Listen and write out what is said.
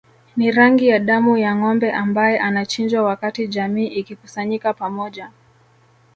Ni rangi ya damu ya ngombe ambae anachinjwa wakati jamii ikikusanyika pamoja